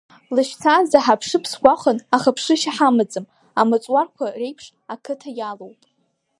Лашьцаанӡа ҳааԥшып сгәахәын, аха ԥшышьа ҳамаӡам, амаҵуарқәа реиԥш ақыҭа иалоуп.